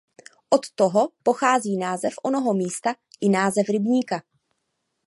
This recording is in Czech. Od toho pochází název onoho místa i název rybníka.